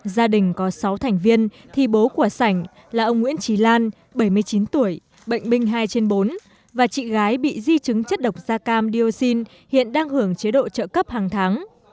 gia đình có sáu thành viên thì bố của sảnh là ông nguyễn trí lan bảy mươi chín tuổi bệnh binh hai trên bốn và chị gái bị di chứng chất độc da cam dioxin hiện đang hưởng chế độ trợ cấp hàng tháng